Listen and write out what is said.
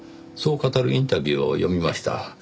そう語るインタビューを読みました。